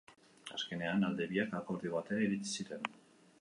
Azkenean, alde biak akordio batera iritsi ziren.